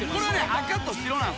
赤と白なんですよ。